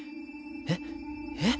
えっえっ！？